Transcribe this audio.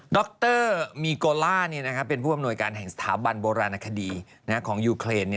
ดรมีโกล่าเป็นผู้อำนวยการแห่งสถาบันโบราณคดีของยูเครน